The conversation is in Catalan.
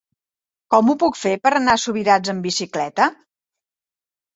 Com ho puc fer per anar a Subirats amb bicicleta?